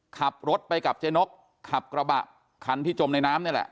ขับรถไปกับเจ๊นกขับกระบะคันที่จมในน้ำนี่แหละ